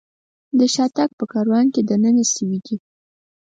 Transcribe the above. د شاتګ په کاروان کې دننه شوي دي.